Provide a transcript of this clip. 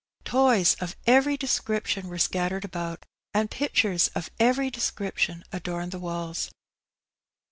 Toys of every description were scattered about, and pictures of every description adorned the walls.